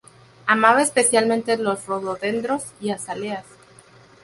Amaba especialmente los rododendros y azaleas.